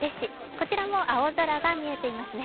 こちらも青空が見えていますね。